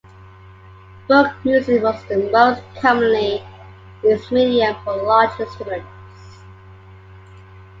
Book Music was the most commonly used medium for large instruments.